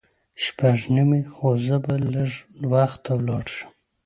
شپږ نیمې خو زه به لږ وخته لاړ شم.